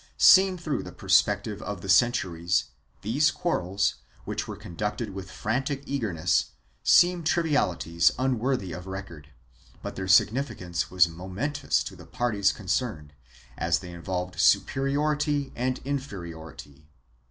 Seen through the perspective of the centuries, these quarrels, which were conducted with frantic eagerness, seem trivialities unworthy of record, but their significance was momentous to the parties concerned, as they involved superiority and inferiority.